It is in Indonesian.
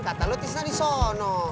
kata lu tisna disono